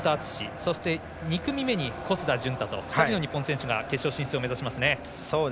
そして、２組目に小須田潤太と２人の日本人選手が決勝進出を目指しますね。